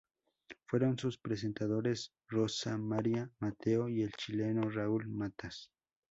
Fueron sus presentadores Rosa María Mateo y el chileno Raúl Matas.